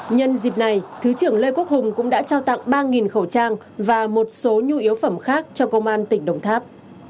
nhân dịp này thứ trưởng lê quốc hùng cũng đã trao tặng ba khẩu trang và một số nhu yếu phẩm khác cho công an tỉnh đồng tháp